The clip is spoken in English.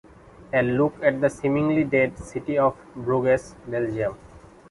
A look at the seemingly-dead city of Bruges, Belgium.